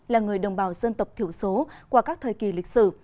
là người đồng bào dân tộc thiểu số qua các thời kỳ lịch sử